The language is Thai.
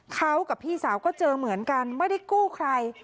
เขากับพี่สาวก็เจอเหมือนกันไม่ได้กู้ใคร